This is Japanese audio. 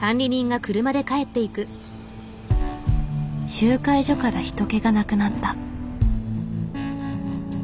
集会所から人けがなくなった。